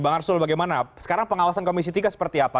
bang arsul bagaimana sekarang pengawasan komisi tiga seperti apa